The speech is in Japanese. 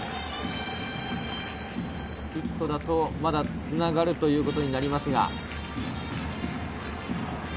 ヒットだとまだつながるということになりますが。